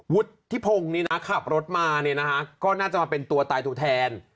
วุฒิพงศ์นี่นะขับรถมาเนี่ยนะคะก็น่าจะมาเป็นตัวตายตัวแทน